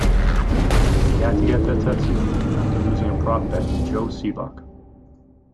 He had to get the tattoo after losing a prop bet to Joe Sebok.